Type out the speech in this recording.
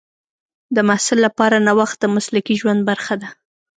د محصل لپاره نوښت د مسلکي ژوند برخه ده.